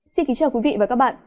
xin kính chào quý vị và các bạn